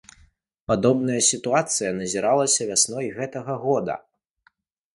Падобная сітуацыя назіралася вясной гэтага года.